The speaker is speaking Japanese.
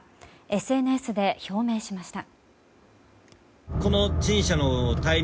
ＳＮＳで表明しました。